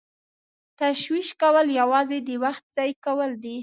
تشویش کول یوازې د وخت ضایع کول دي.